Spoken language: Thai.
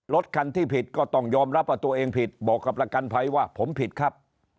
รถคันที่ผิดก็ต้องยอมรับว่าตัวเองผิดบอกกับประกันภัยว่าผมผิดครับ